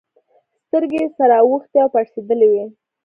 سترگه يې سره اوښتې او پړسېدلې وه.